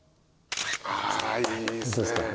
あいいですね。